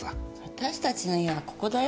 私たちの家はここだよ？